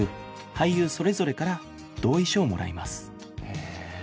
俳優それぞれから同意書をもらいます